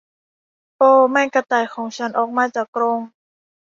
โอ้ไม่กระต่ายของฉันออกมาจากกรง !